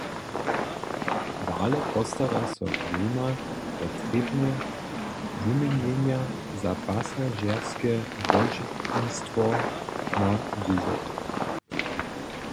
Dale postara so gmejna wo trěbne wuměnjenja za pasažěrske łódźnistwo na jězorje.